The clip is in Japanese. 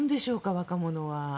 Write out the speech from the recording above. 若者は。